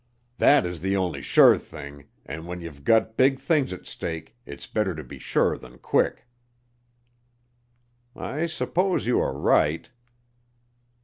Thet is th' only sure thing, an' when ye've gut big things at stake it's better ter be sure than quick." "I suppose you are right."